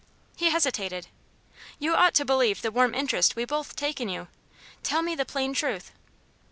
He hesitated. "You ought to believe the warm interest we both take in you. Tell me the plain truth."